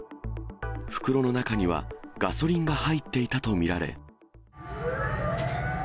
袋の中には、ガソリンが入っていたと見られ。